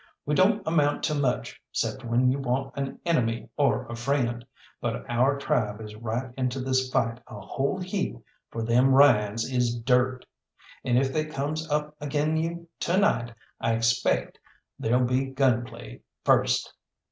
We don't amount to much 'cept when you want an enemy or a friend but our tribe is right into this fight a whole heap, for them Ryans is dirt; and if they comes up agin you to night I expaict there'll be gun play first."